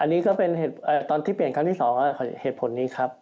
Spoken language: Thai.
อันนี้ก็เป็นตอนที่เปลี่ยนครั้งที่๒เหตุผลนี้ครับ